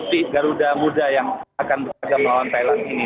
seperti garuda muda yang akan bertarga melawan thailand ini